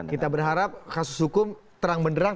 kita berharap kasus hukum terang benderang